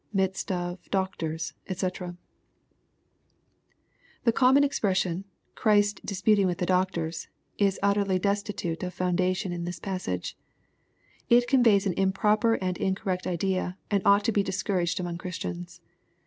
^midsi of.,,.doctor8, <fec] The common expression, •* Christ disputing with the doctors," is utterly destitute of foun dation in this passage. It conveys an improper and incorrect idea, and ought to be discouraged among Christians.